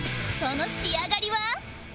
その仕上がりは